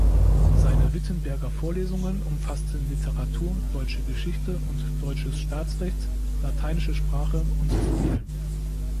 Seine Wittenberger Vorlesungen umfassten Literatur, deutsche Geschichte und deutsches Staatsrecht, lateinische Sprache und Stil.